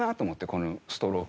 このストローク。